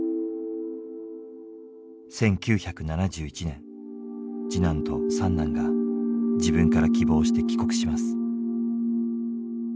１９７１年次男と三男が自分から希望して帰国します。